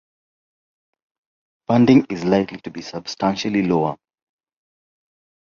Funding is likely to be substantially lower.